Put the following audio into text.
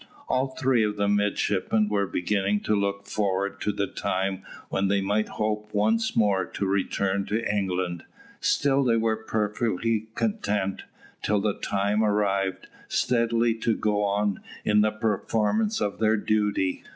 All three of the midshipmen were beginning to look forward to the time when they might hope once more to return to England. Still they were perfectly content, till the time arrived, steadily to go on in the performance of their duty.